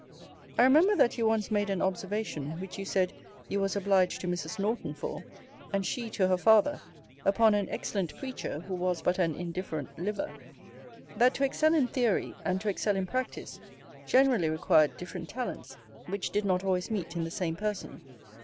I remember that you once made an observation, which you said, you was obliged to Mrs. Norton for, and she to her father, upon an excellent preacher, who was but an indifferent liver: 'That to excel in theory, and to excel in practice, generally required different talents; which did not always meet in the same person.'